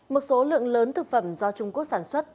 một số lượng lớn thực phẩm do trung quốc sản xuất